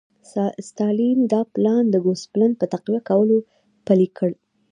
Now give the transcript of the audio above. ستالین دا پلان د ګوسپلن په تقویه کولو پلی کړ